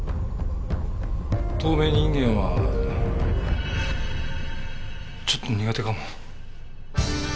透明人間はちょっと苦手かも。